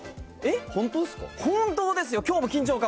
本当ですか？